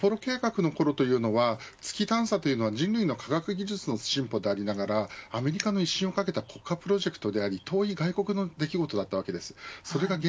アポロ計画のころというのは月探査というのは、人類の科学技術の進歩でありながらアメリカの威信をかけた国家プロジェクトであり、遠い外国の出来事でした。